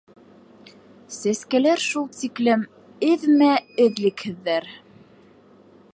Сәскәләр шул тиклем эҙмә-эҙлекһеҙҙәр!